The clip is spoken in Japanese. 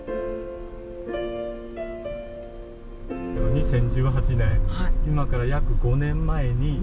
２０１８年今から約５年前に。